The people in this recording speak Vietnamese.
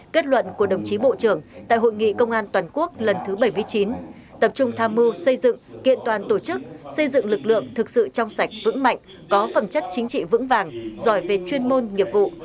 kết luận của đồng chí bộ trưởng tại hội nghị công an toàn quốc lần thứ bảy mươi chín tập trung tham mưu xây dựng kiện toàn tổ chức xây dựng lực lượng thực sự trong sạch vững mạnh có phẩm chất chính trị vững vàng giỏi về chuyên môn nghiệp vụ